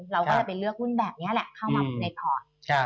เราก็จะไปเลือกหุ้นแบบนี้แหละเข้ามาในพอร์ต